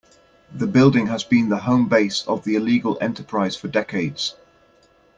The building has been the home base of the illegal enterprise for decades.